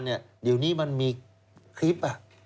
เดี๋ยวนี้มันมีคลิป